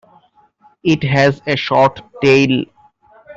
It has a short tail.